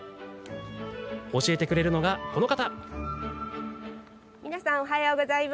教えてくれるのが、この方。